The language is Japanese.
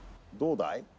「どうだい？